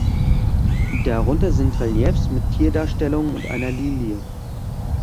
Darunter sind Reliefs mit Tierdarstellungen und einer Lilie.